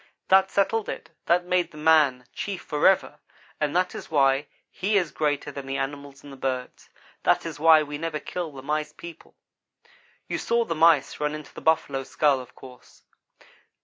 "That settled it. That made the man chief forever, and that is why he is greater than the animals and the birds. That is why we never kill the Mice people. "You saw the Mice run into the buffalo skull, of course.